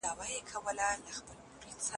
هیوادونو به خپل سفارتونه پرانیستي وي.